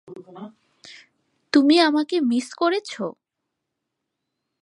তুমি আমাকে মিস করেছো?